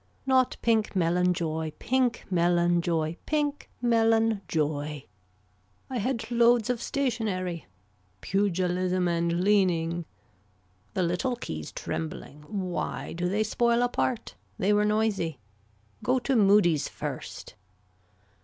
Not pink melon joy. Pink melon joy. Pink melon joy. I had loads of stationary. Pugilism and leaning. The little keys trembling. Why do they spoil a part. They were noisy. Go to Mudie's first.